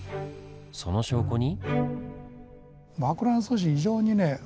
その証拠に。